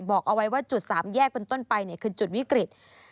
บอกเอาไว้ว่าจุดสามแยกเป็นต้นไปคือจุดวิกฤต